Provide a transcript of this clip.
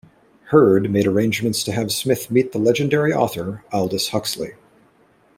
Heard made arrangements to have Smith meet the legendary author Aldous Huxley.